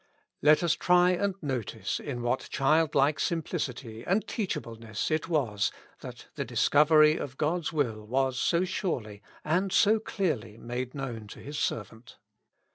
Let us try and notice in what child like simplicity and teachableness it was that the discovery of God's will was so surely and so clearly made known to His servant.